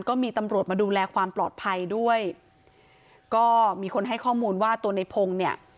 ก็มีตำรวจมาดูแลความปลอดภัยด้วยก็มีคนให้ข้อมูลว่าตัวในพงศ์เนี่ย